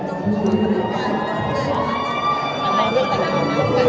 พร้อมไทนี่ที่รอเคยมากันไหม